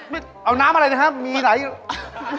มีขันด้วยพี่เอาน้ำอะไรนะครับมีไหน